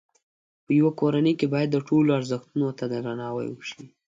په یوه کورنۍ کې باید د ټولو ازرښتونو ته درناوی وشي.